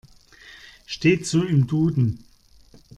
Steht so im Duden.